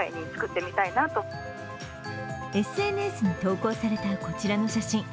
ＳＮＳに投稿されたこちらの写真。